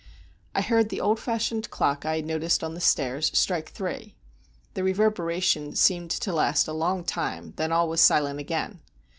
I heard the old fashioned clock I had noticed on the stairs strike three. The reverberation seemed to last a long time, then all was silent again.